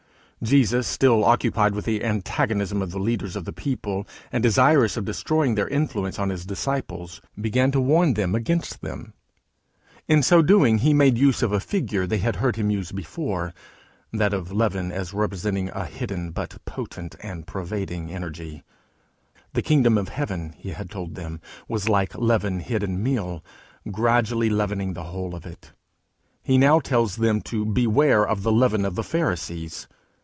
Jesus, still occupied with the antagonism of the leaders of the people, and desirous of destroying their influence on his disciples, began to warn them against them. In so doing he made use of a figure they had heard him use before that of leaven as representing a hidden but potent and pervading energy: the kingdom of heaven, he had told them, was like leaven hid in meal, gradually leavening the whole of it. He now tells them to beware of the leaven of the Pharisees.